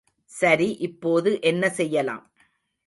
சரி, இப்போது என்ன செய்யலாம்?